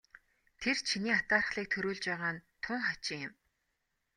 Тэр чиний атаархлыг төрүүлж байгаа нь тун хачин юм.